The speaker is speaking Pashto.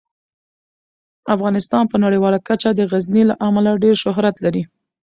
افغانستان په نړیواله کچه د غزني له امله ډیر شهرت لري.